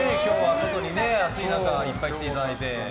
外に暑い中いっぱい来ていただいて。